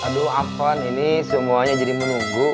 aduh afon ini semuanya jadi menunggu